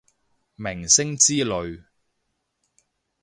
明星之類